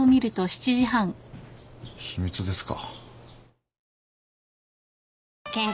秘密ですか。